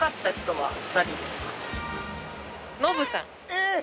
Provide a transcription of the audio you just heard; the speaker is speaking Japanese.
えっ！